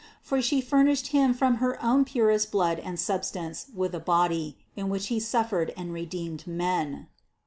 For She furnished Him from her own purest blood and substance with a body, in which He suffered and redeemed men.